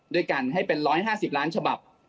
ด้วยกันให้เป็น๑๕๐ล้านฉบับ